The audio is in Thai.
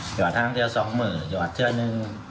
หยอดทั้งเท่าสองมือหยอดเท่านึง